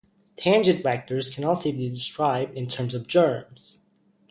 Tangent vectors can also be described in terms of germs.